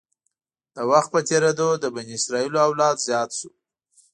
د وخت په تېرېدو د بني اسرایلو اولاد زیات شو.